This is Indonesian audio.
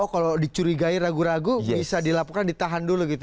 oh kalau dicurigai ragu ragu bisa dilakukan ditahan dulu gitu